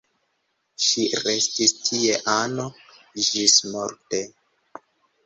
Ŝi restis tie ano ĝismorte.